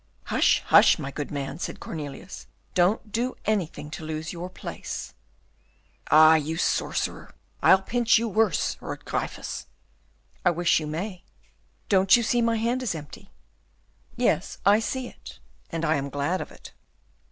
"Hush, hush, my good man," said Cornelius, "don't do anything to lose your place." "Ah, you sorcerer! I'll pinch you worse," roared Gryphus. "I wish you may." "Don't you see my hand is empty?" "Yes, I see it, and I am glad of it."